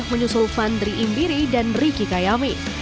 menyusul fandri indiri dan riki kayame